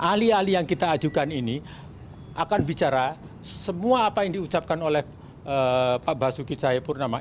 ahli ahli yang kita ajukan ini akan bicara semua apa yang diucapkan oleh pak basuki cahayapurnama